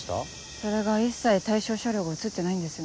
それが一切対象車両が写ってないんですよね。